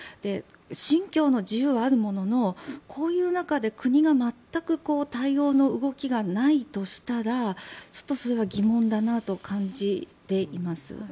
信教の自由はあるもののこういう中で国が全く対応の動きがないとしたらちょっとそれは疑問だなと感じています。